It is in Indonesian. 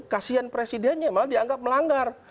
kasian presidennya malah dianggap melanggar